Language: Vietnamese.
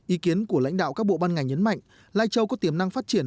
ý kiến của lãnh đạo các bộ ban ngành nhấn mạnh lai châu có tiềm năng phát triển